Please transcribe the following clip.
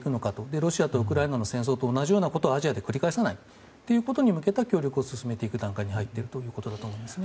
ロシアとウクライナの戦争と同じようなことをアジアで繰り返さないということに向けた協力を進めていく段階に入っているということだと思いますね。